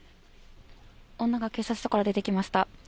女が警察署から出てきました。